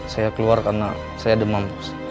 saya keluar karena saya demam